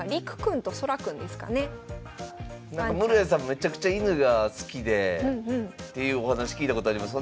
めちゃくちゃ犬が好きでっていうお話聞いたことあります。